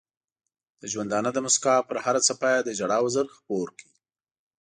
د ژوندانه د مسکا پر هره څپه یې د ژړا وزر خپور کړ.